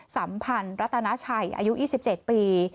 สัมพันธ์รัตนาชัยอายุ๒๗ปี